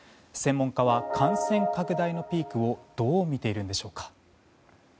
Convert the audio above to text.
専門家は、感染拡大のピークをどう見ているんでしょうか。